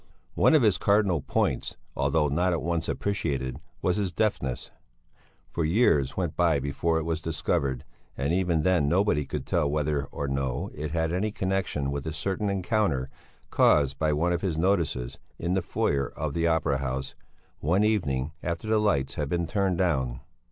One of his cardinal points, although not at once appreciated, was his deafness. Several years went by before it was discovered, and even then nobody could tell whether or no it had any connexion with a certain encounter, caused by one of his notices, in the foyer of the Opera House, one evening after the lights had been turned down.